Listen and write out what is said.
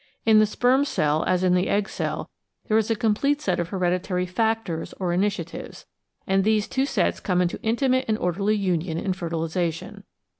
In the sperm cell as in the egg cell there is a complete set of hereditary ''factors" or initiatives, and these two sets come into intimate and orderly union in fertilisation.